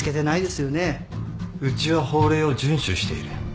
うちは法令を順守している。